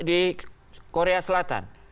di korea selatan